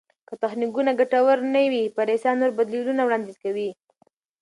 که تخنیکونه ګټور نه وي، پریسا نور بدیلونه وړاندیز کوي.